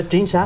rất chính xác